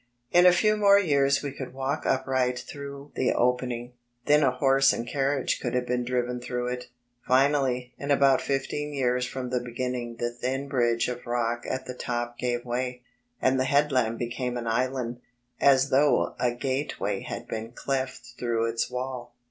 In a few more years we could walk upright through the opening. Tlien a horse and carriage could have been driven through it. Finally, in about fifteen years from the begin ning the thin bridge of rock at the top gave way, and the headland became an island, as though a gateway had been cleft through its wall.